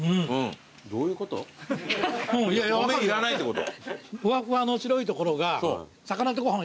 米いらないってこと。